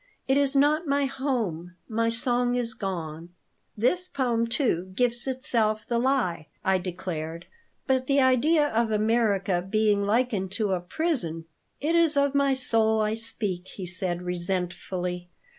It is not my home. My song is gone." "This poem, too, gives itself the lie!" I declared. "But the idea of America being likened to a prison!" "It is of my soul I speak," he said, resentfully.